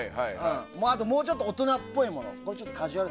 あと、もうちょっと大人っぽいもの。